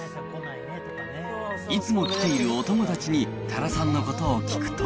いつも来ているお友達に多良さんのことを聞くと。